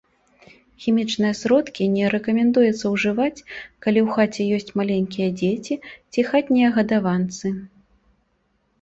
Хімічныя сродкі не рэкамендуецца ўжываць, калі ў хаце ёсць маленькія дзеці ці хатнія гадаванцы.